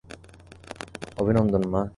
অভিনন্দন, মা!